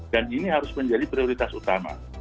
dan ini harus menjadi prioritas utama